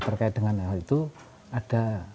terkait dengan hal itu ada